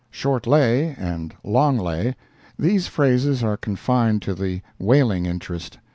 "Short lay" and "long lay"—These phrases are confined to the whaling interest.